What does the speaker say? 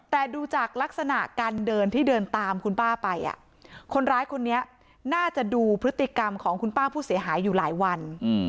แต่ดูจากลักษณะการเดินที่เดินตามคุณป้าไปคนร้ายคนนี้น่าจะดูพฤติกรรมของคุณป้าผู้เสียหายอยู่หลายวัน